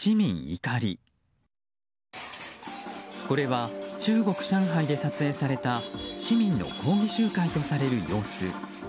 これは中国・上海で撮影された市民の抗議集会とされる様子。